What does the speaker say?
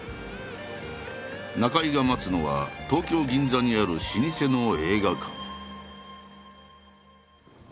中井が待つのは東京銀座にある老舗の映画館。